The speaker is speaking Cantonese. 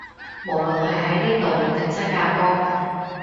無論係喺呢度定新加坡